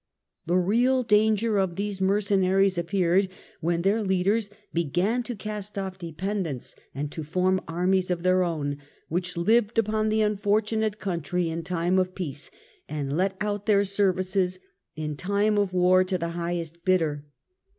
The real danger of these mercenaries appeared when their leaders began to cast off dependence, and to form armies of their own, which lived upon the unfortunate country in time of peace, and let out their services in time of war to the highest bidder.